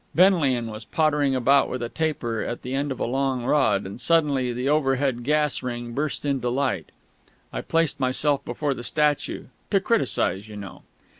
Benlian was pottering about with a taper at the end of a long rod; and suddenly the overhead gas ring burst into light. I placed myself before the statue to criticise, you know.